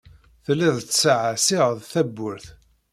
Tellid tettṣeɛṣiɛed tawwurt.